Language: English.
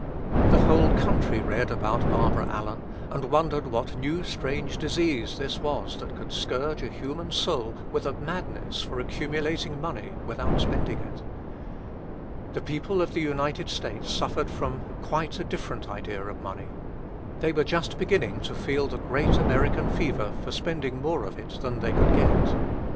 The whole country read about Barbara Allen, and wondered what new strange disease this was that could scourge a human soul with a madness for accumulating money without spending it. The people of the United States suffered from quite a different idea of money. They were just beginning to feel the great American fever for spending more of it than they could get.